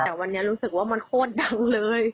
แต่วันนี้รู้สึกว่ามันโคตรดังเลย